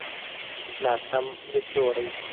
ناسم ليدلوری.